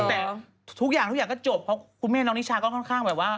แต่ทุกอย่างทุกอย่างก็จบเพราะคุณแม่น้องนิชาก็ค่อนข้างแบบว่า